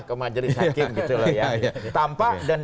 ke majelis hakim gitu loh ya